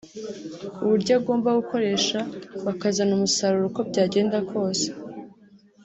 uburyo agomba gukoresha bakazana umusaruro uko byagenda kose